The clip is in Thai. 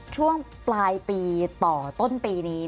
ช่วงปลายปีต่อต้นปีนี้